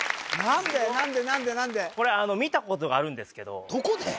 何で何でこれ見たことがあるんですけどどこで？